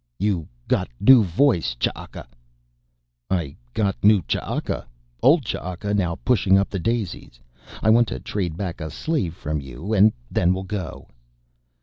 "You got new voice, Ch'aka." "I got new Ch'aka, old Ch'aka now pushing up the daisies. I want to trade back a slave from you and then we'll go."